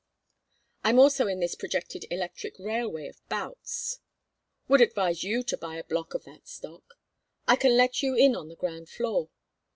I'm also in this projected electric railway of Boutts's would advise you to buy a block of that stock I can let you in on the ground floor.